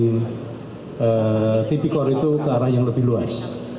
dan tipi core itu ke arah yang lebih luas